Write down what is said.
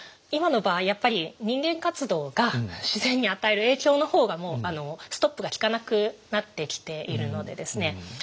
今の場合やっぱり人間活動が自然に与える影響の方がもうストップがきかなくなってきているのでですね